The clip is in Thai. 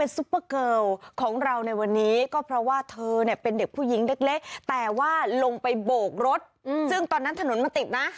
ซุปเปอร์เกิลของเราในวันนี้ก็เพราะว่าเธอเนี่ยเป็นเด็กผู้หญิงเล็กแต่ว่าลงไปโบกรถซึ่งตอนนั้นถนนมันติดนะ